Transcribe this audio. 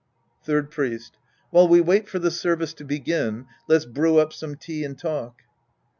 Third Priest. While we wait for the service to begin, let's brew up some tea and talk.